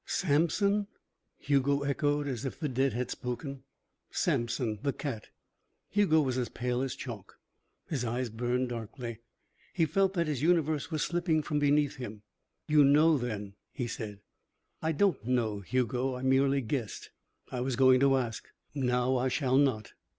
"Samson!" Hugo echoed, as if the dead had spoken. "Samson the cat." Hugo was as pale as chalk. His eyes burned darkly. He felt that his universe was slipping from beneath him. "You know, then," he said. "I don't know, Hugo. I merely guessed. I was going to ask. Now I shall not.